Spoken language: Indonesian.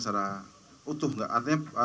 secara utuh artinya